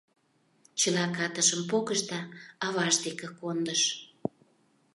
Чыла катышым погыш да аваж деке кондыш.